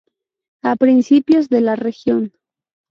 A principios de la región.